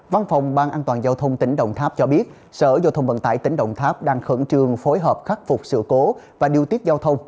văn phòng ban an toàn giao thông tỉnh đồng tháp cho biết sở giao thông vận tải tỉnh đồng tháp đang khẩn trương phối hợp khắc phục sự cố và điều tiết giao thông